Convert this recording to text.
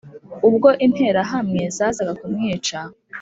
Ubwo interahamwe zazaga kumwica